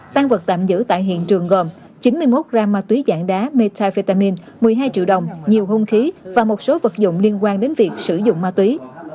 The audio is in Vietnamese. tăng vật tạm giữ tại hiện trường gồm chín mươi một gram ma túy dạng đá metafetamin một mươi hai triệu đồng nhiều hung khí và một số vật dụng liên quan đến việc sử dụng ma túy